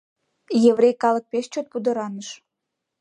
Еврей калык пеш чот пудыраныш.